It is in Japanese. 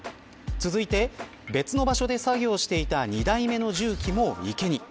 続いて別の場所で作業をしていた２台目の重機も池に。